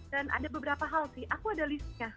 dan ada beberapa hal sih aku ada listnya